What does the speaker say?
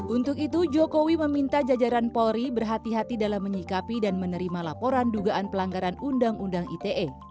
untuk itu jokowi meminta jajaran polri berhati hati dalam menyikapi dan menerima laporan dugaan pelanggaran undang undang ite